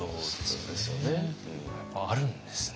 やっぱあるんですね。